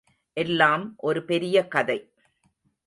எல்லாம் ஒரு பெரிய கதை.